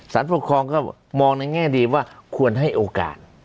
ปกครองก็มองในแง่ดีว่าควรให้โอกาส